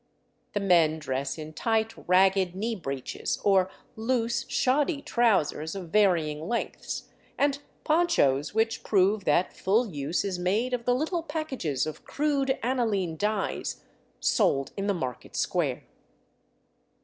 The men dress in tight, ragged knee breeches or loose, shoddy trousers of varying lengths, and ponchos which prove that full use is made of the little packages of crude analine dyes sold in the market square.